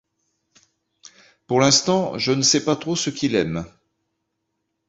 Pour l’instant, je ne sais pas trop ce qu’il aime.